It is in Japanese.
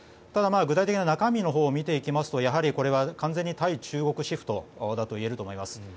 ただ、具体的な中身のほうを見ていきますとこれは完全に対中国シフトだと言えると思います。